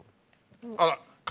あら。